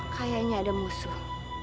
kayaknya ada musuh